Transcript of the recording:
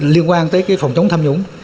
liên quan tới cái phòng chống tham nhũng